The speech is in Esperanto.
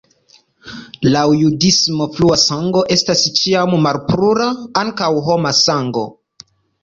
Laŭ judismo flua sango estas ĉiam malpura, ankaŭ homa sango.